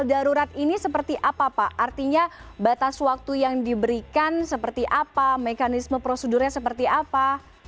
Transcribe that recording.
darurat ini seperti apa pak artinya batas waktu yang diberikan seperti apa mekanisme prosedurnya seperti apa